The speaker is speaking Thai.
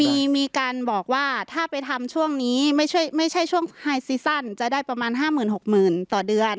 มีมีการบอกว่าถ้าไปทำช่วงนี้ไม่ใช่ไม่ใช่ช่วงจะได้ประมาณห้าหมื่นหกหมื่นต่อเดือน